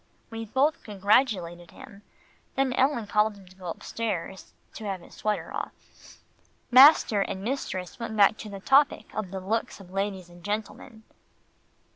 We both congratulated him, then Ellen called him to go upstairs, to have his sweater off. Master and mistress went back to the topic of the looks of ladies and gentlemen.